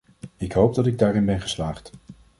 Ik hoop dat ik daarin ben geslaagd.